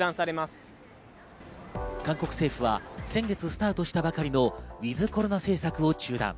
韓国政府は先月スタートしたばかりのｗｉｔｈコロナ政策を中断。